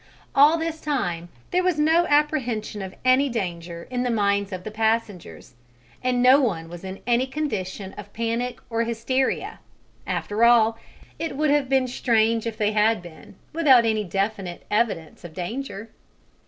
All this time there was no apprehension of any danger in the minds of passengers, and no one was in any condition of panic or hysteria; after all, it would have been strange if they had been, without any definite evidence of danger.